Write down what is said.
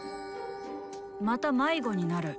また迷子になるかも。